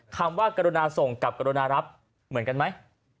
คำว่ากรุณาส่งกับกรุณารับเหมือนกันไหม